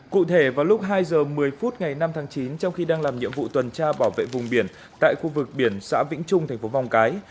cụ thể vào lúc hai giờ một mươi phút ngày năm tháng chín trong khi đang làm nhiệm vụ tuần tra bảo vệ vùng biển tại khu vực biển xã vĩnh trung thành phố vong cái